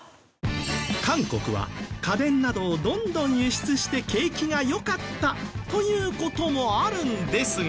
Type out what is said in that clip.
韓国は家電などをどんどん輸出して景気が良かったという事もあるんですが。